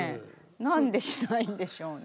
何でしないんでしょうね